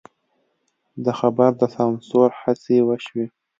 د خبر د سانسور هڅې وشوې.